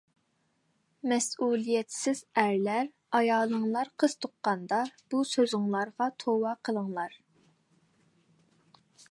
مەسئۇلىيەتسىز ئەرلەر ئايالىڭلار قىز تۇغقاندا بۇ سۆزۈڭلارغا توۋا قىلىڭلار.